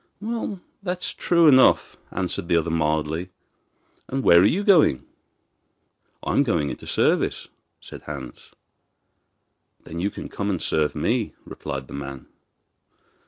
'Well, that's true enough,' answered the other mildly. 'And where are you going?' 'I am going into service,' said Hans. 'Then you can come and serve me,' replied the man.